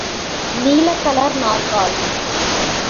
நீலக் colour நாற்காலி.